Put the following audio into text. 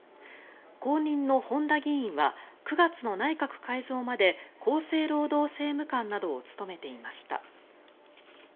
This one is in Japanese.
後任の本田議員は９月の内閣改造まで厚生労働政務官などを務めていました。